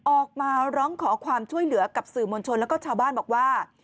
ออกมาร้องขอความช่วยเหลือกับสื่อมวลชนแล้วก็ชาวบ้านบอกว่า